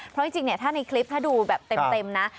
เพราะจริงเนี่ยถ้าในคลิปถ้าดูแบบเต็มนะ